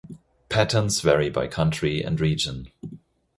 Patterns vary by country and region.